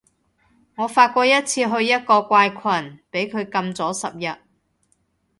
我發過一次去一個怪群，畀佢禁咗十日